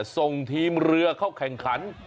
ส่งทีมเรือเข้าแข่งขัน